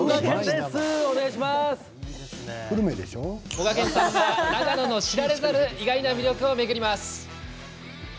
こがけんさんが長野の知られざる意外な魅力を巡ります。